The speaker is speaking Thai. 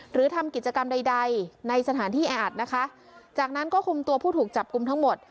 หรือทำกิจกรรมใดใดในสถานที่แออัดนะคะจากนั้นก็คุมตัวผู้ถูกจับกลุ่มทั้งหมด